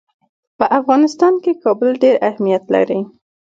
په افغانستان کې کابل ډېر اهمیت لري.